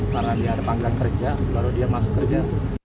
karena dia ada panggilan kerja baru dia masuk kerja